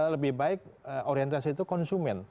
lebih baik orientasi itu konsumen